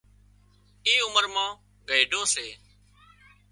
اي عمر مان گئيڍو سي